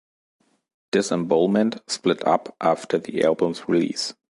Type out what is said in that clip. Disembowelment split up after the album's release.